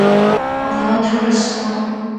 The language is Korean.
내가 틀렸어.